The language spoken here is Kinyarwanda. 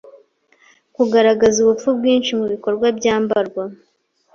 Kugaragaza ubupfu bwinshi mubikorwa byambarwa